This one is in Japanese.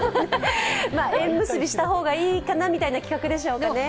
縁結びしたほうがいいかなみたいな企画でしょうかね。